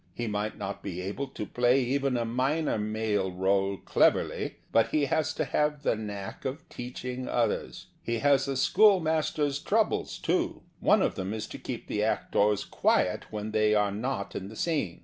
He might not be able to play even a minor male role cleverly, ' but he has to have the .knack of teaching others. He has a school master's troubles, too. One of them is to keep the actors quiet when they are not in the scene.